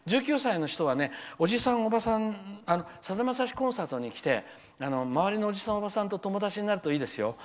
１９歳の人はおじさん、おばさんさだまさしコンサートに来て周りのおじさん、おばさんと友達になるといいですよ。